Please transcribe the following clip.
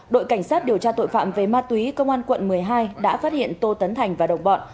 đội cảnh sát điều tra tội phạm về ma túy công an quận một mươi hai đã phát hiện tô tấn thành và đồng bọn